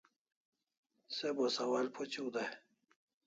Se bo sawal phuchiu day